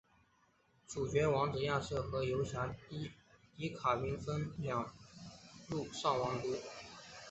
主角王子亚瑟与游侠迪迪卡兵分两路上王都。